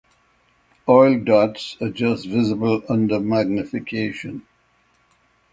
Oil dots are just visible under magnification.